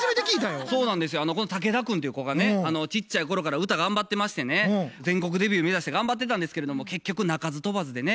ちっちゃい頃から歌頑張ってましてね全国デビュー目指して頑張ってたんですけれども結局鳴かず飛ばずでね